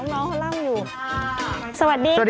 โปรดติดตามตอนต่อไป